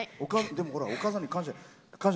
でもお母さんに感謝。